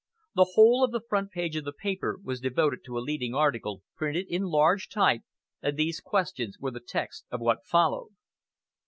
The whole of the front page of the paper was devoted to a leading article, printed in large type, and these questions were the text of what followed: "1.